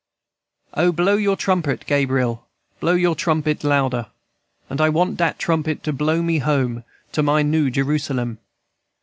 "O, blow your trumpet, Gabriel, Blow your trumpet louder; And I want dat trumpet to blow me home To my new Jerusalem.